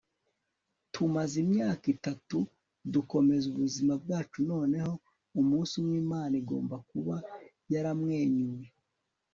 tumaze imyaka itatu dukomeza ubuzima bwacu, noneho umunsi umwe imana igomba kuba yaramwenyuye